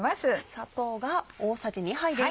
砂糖が大さじ２杯です。